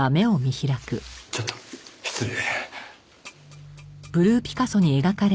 ちょっと失礼。